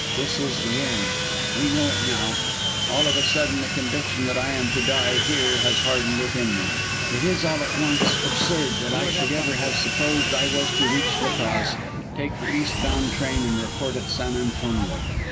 This is the end. We know it now. All of a sudden the conviction that I am to die here has hardened within me. It is, all at once, absurd that I should ever have supposed that I was to reach La Paz, take the east bound train and report at San Antonio.